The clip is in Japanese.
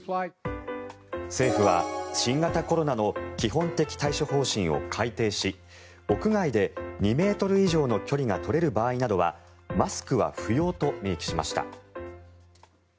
政府は新型コロナの基本的対処方針を改定し屋外で２ｍ以上の距離が取れる場合などはマスクは不要と明記しました。